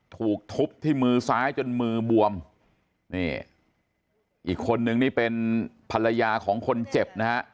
ถูกทุบที่มือซ้ายจนมือบวมนี่อีกคนนึงนี่เป็นภรรยาของคนเจ็บนะฮะ